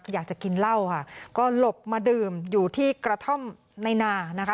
อยากจะกินเหล้าค่ะก็หลบมาดื่มอยู่ที่กระท่อมในนานะคะ